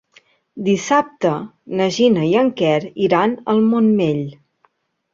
Dissabte na Gina i en Quer iran al Montmell.